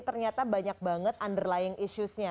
ternyata banyak banget underlying issues nya